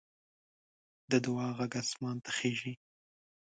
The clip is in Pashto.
د دعا غږ اسمان ته خېژي